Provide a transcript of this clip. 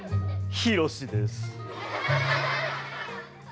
ヒロシです。